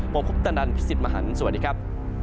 ผมคุปตะนันพี่สิทธิ์มหันฯสวัสดีครับ